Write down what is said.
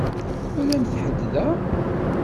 Twalamt ḥedd da?